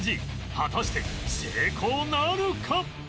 果たして成功なるか？